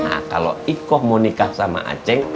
nah kalau ikoh mau nikah sama aceh